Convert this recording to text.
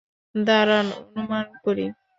দাঁড়ান, অনুমান করি।